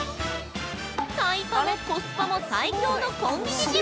◆タイパもコスパも最強のコンビニジム。